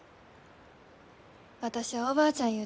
私はおばあちゃんゆう